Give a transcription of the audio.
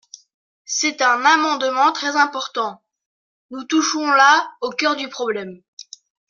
C’est un amendement très important : nous touchons là au cœur du problème.